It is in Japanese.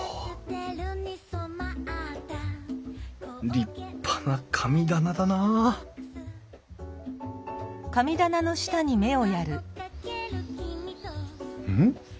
立派な神棚だなあうん？